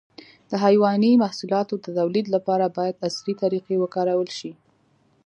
د حيواني محصولاتو د تولید لپاره باید عصري طریقې وکارول شي.